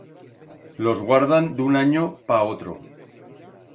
Los guardan d'un anyo pa otro.